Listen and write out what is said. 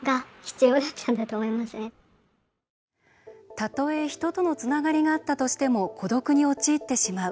たとえ、人とのつながりがあったとしても孤独に陥ってしまう。